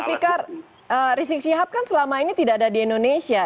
pak fikar rizik syihab kan selama ini tidak ada di indonesia